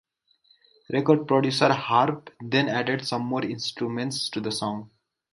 Record producer Harv then added some more instruments to the song.